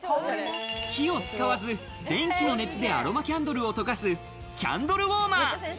火を使わず、電気の熱でアロマキャンドルを溶かすキャンドルウォーマー。